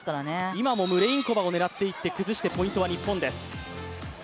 今もムレインコバを狙っていって、崩して、ポイントは日本です。